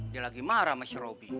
dia lagi marah sama si roby